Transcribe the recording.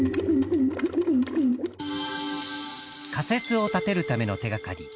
仮説を立てるための手がかり